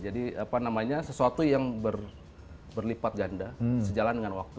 jadi apa namanya sesuatu yang berlipat ganda sejalan dengan waktu